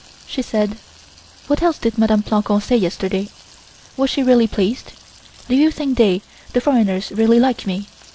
She said: "What else did Mdme. Plancon say yesterday? Was she really pleased? Do you think they, the foreigners, really like me?